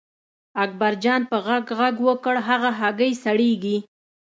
اکبرجان په غږ غږ وکړ هغه هګۍ سړېږي.